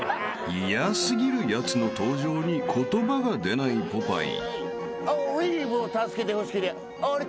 ［嫌過ぎるやつの登場に言葉が出ないポパイ］